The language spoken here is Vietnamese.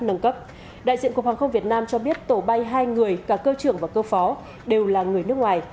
nâng cấp đại diện cục hàng không việt nam cho biết tổ bay hai người cả cơ trưởng và cơ phó đều là người nước ngoài